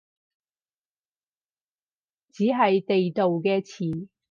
只係地道嘅詞